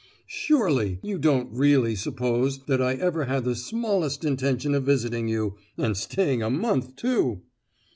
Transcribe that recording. "Surely, you don't really suppose that I ever had the smallest intention of visiting you—and staying a month too!"